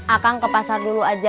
akang ke pasar dulu aja